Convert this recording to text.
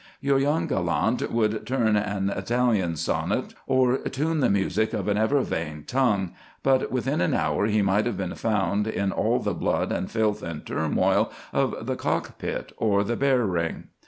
Your young gallant would turn an Italian sonnet, or "tune the music of an ever vain tongue," but within an hour he might have been found in all the blood and filth and turmoil of the cockpit or the bear ring.